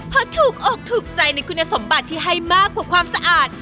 เพราะถูกอกถูกใจในคุณสมบัติที่ให้มากกว่าความสะอาด